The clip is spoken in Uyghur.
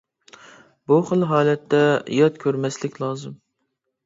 بۇ خىل ھالەتنى يات كۆرمەسلىك لازىم.